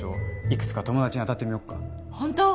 いくつか友達に当たってみよっかホント？